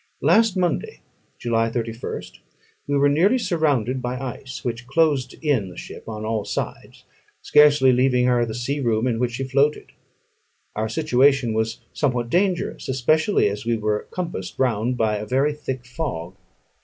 Last Monday (July 31st), we were nearly surrounded by ice, which closed in the ship on all sides, scarcely leaving her the sea room in which she floated. Our situation was somewhat dangerous, especially as we were compassed round by a very thick fog.